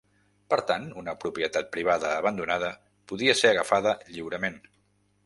Per tant, una propietat privada abandonada podia ser agafada lliurement.